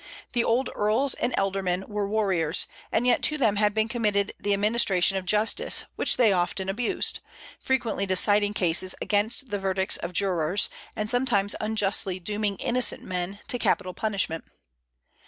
The old eorls and ealdormen were warriors; and yet to them had been committed the administration of justice, which they often abused, frequently deciding cases against the verdicts of jurors, and sometimes unjustly dooming innocent men to capital punishment.